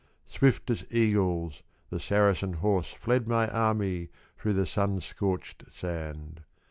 Swift as Eagles the Saracen horse Fled my army through the sun scorched sand.